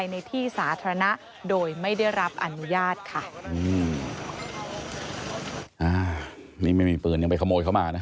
นี่ไม่มีปืนยังไปขโมยเขามานะ